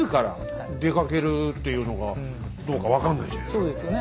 そうですよね